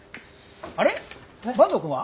あれ坂東くんは？